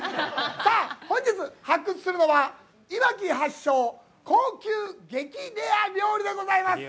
さあ、本日、発掘するのは、いわき発祥、高級激レア料理でございます。